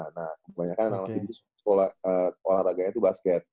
nah kebanyakan anak anak sini sekolah olahraganya itu basket